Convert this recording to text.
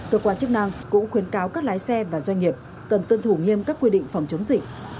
cơ quan chức năng cũng khuyến cáo các lái xe và doanh nghiệp cần tuân thủ nghiêm các quy định phòng chống dịch